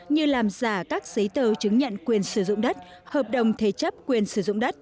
như làm giả các giấy tờ chứng nhận quyền sử dụng đất hợp đồng thế chấp quyền sử dụng đất